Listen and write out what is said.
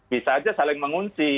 bisa aja saling mengunci